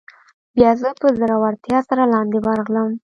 بیا زه په زړورتیا سره لاندې ورغلم.